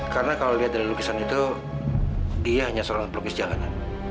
karena kalau lihat dari lukisan itu dia hanya seorang pelukis jalanan